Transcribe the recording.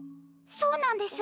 そうなんです。